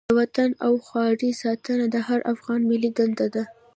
د وطن او خاورې ساتنه د هر افغان ملي دنده ده.